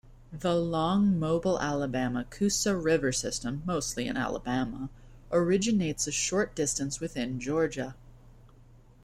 The long Mobile-Alabama-Coosa River system, mostly in Alabama, originates a short distance within Georgia.